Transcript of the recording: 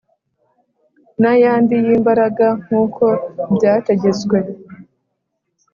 n’ayandi y’imbaraga nk’uko byategetswe,